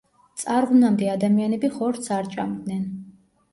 წარღვნამდე ადამიანები ხორცს არ ჭამდნენ.